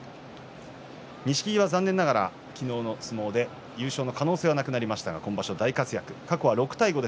錦木は残念ながら昨日の相撲で優勝の可能性はなくなりましたが今場所、大活躍でした。